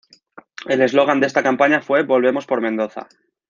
El slogan de esta campaña fue "Volvemos por Mendoza".